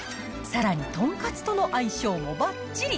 さらに豚カツとの相性もばっちり。